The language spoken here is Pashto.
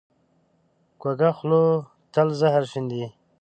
کوږه خوله تل زهر شیندي